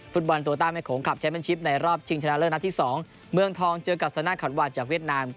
ฟุตบอลตัวตั้งในโขงคลับเชมเป็นชิปในรอบชิงชนะเรื่องทางที่๒เมืองทองเจอกับสนานขาวดจากเวียดนาม